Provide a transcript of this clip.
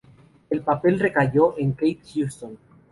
El papel recayó en Kate Hudson.